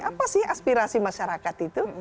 apa sih aspirasi masyarakat itu